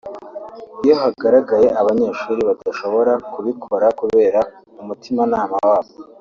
Iyo hagaragaye abanyeshuri badashobora kubikora kubera umutimanama wabo